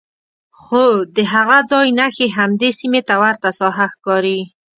خو د هغه ځای نښې همدې سیمې ته ورته ساحه ښکاري.